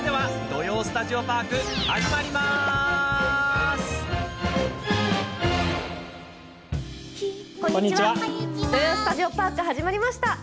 「土曜スタジオパーク」始まりました。